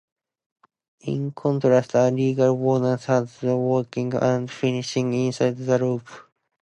In contrast, a regular bowline has the working end finishing inside the loop.